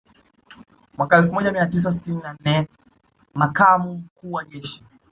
Mwaka elfu moja mia tisa sitini na nne Makamu wa Mkuu wa Jeshi